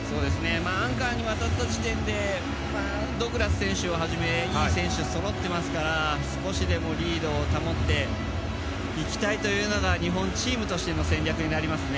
アンカーに渡った時点でドグラス選手をはじめいい選手がそろっていますから少しでもリードを保っていきたいというのが日本チームとしての戦略になりますね。